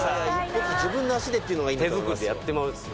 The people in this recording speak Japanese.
自分の足でっていうのがいいんだと思いますよ